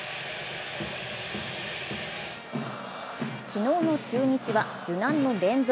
昨日の中日は受難の連続。